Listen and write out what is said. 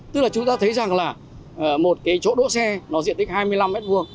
tức là chúng ta thấy rằng là một chỗ đỗ xe diện tích hai mươi năm m hai